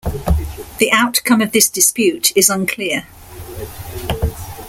The outcome of this dispute is unclear.